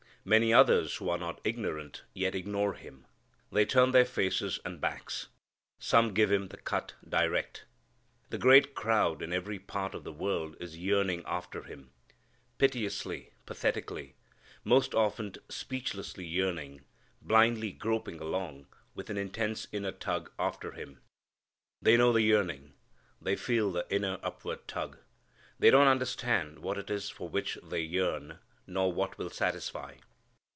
Many others who are not ignorant yet ignore Him. They turn their faces and backs. Some give Him the cut direct. The great crowd in every part of the world is yearning after Him: piteously, pathetically, most often speechlessly yearning, blindly groping along, with an intense inner tug after Him. They know the yearning. They feel the inner, upward tug. They don't understand what it is for which they yearn, nor what will satisfy.